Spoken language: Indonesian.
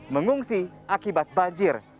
mengungsi akibat banjir